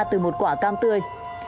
từ một quả cam tươi